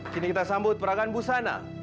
kini kita sambut peragaan busana